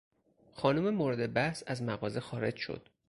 خانم مورد بحث از مغازه خارج شد.